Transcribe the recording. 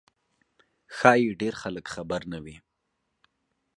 ښایي ډېر خلک خبر نه وي.